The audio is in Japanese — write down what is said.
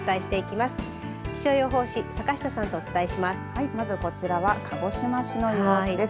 まず、こちらは鹿児島市の様子です。